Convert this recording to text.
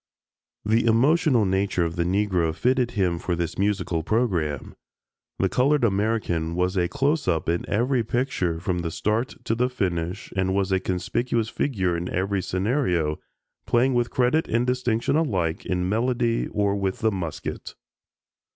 The emotional nature of the Negro fitted him for this musical program. The colored American was a "close up" in every picture from the start to the finish and was a conspicuous figure in every scenario, playing with credit and distinction alike in melody or with the musket.